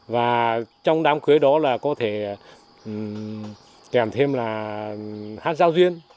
và trong đám cưới đó là có thể kèm thêm là hát giao duyên